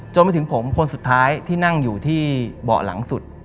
จนไปถึงผมคนสุดท้ายที่นั่งอยู่ที่เบาะหลังสุด